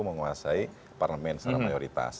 mempermasai parlement secara mayoritas